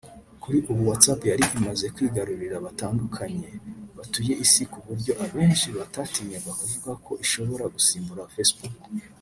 Kuri ubu WhatsApp yari imaze kwigarurira batandukanye batuye Isi k’uburyo abenshi batatinyaga kuvuga ko ishobora gusimbura Facebook